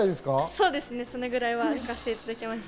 そうですね、そのくらいは寝させていただきました。